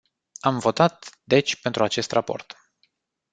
Am votat, deci, pentru acest raport.